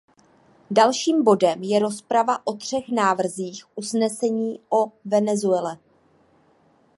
Dalším bodem je rozprava o třech návrzích usnesení o Venezuele.